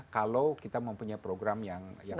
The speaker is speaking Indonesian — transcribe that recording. kalau kita mempunyai program yang kredibel gitu